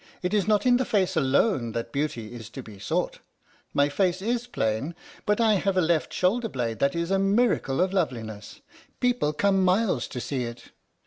It is not in the face alone that beauty is to be sought. My face is plain, but I have a left shoulder blade that is a miracle of loveliness. People come miles to see it.